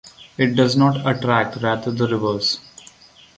It does not attract, rather the reverse.